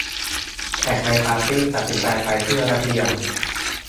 แขกในปาร์ตี้ตัดสินใจไปที่ระเบียง